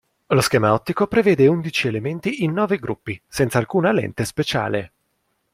Lo schema ottico prevede undici elementi in nove gruppi, senza alcuna lente speciale.